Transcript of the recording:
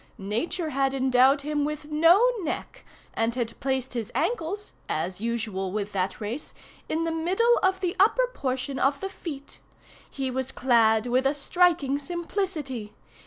Nature had endowed him with no neck, and had placed his ankles (as usual with that race) in the middle of the upper portion of the feet. He was clad with a striking simplicity.